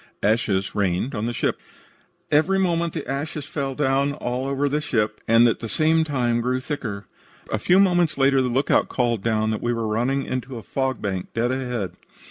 ASHES RAINED ON THE SHIP "Every moment the ashes rained down all over the ship, and at the same time grew thicker. A few moments later, the lookout called down that we were running into a fog bank dead ahead.